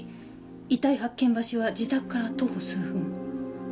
遺体発見場所は自宅から徒歩数分。